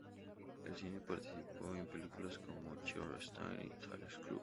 En cine participó en películas como "Christine" y "The Ladies Club".